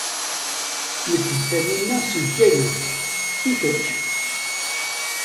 Nekk d Tanina si Bgayet, i kečč?